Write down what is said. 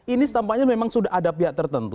ini tampaknya memang sudah ada pihak tertentu